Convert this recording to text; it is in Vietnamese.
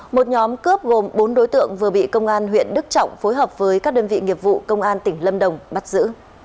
một nhóm cướp gồm bốn đối tượng vừa bị công an huyện đức trọng phối hợp với các đơn vị nghiệp vụ công an tỉnh lâm đồng bắt giữ